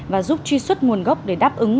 và giúp truy xuất nguồn gốc để đáp ứng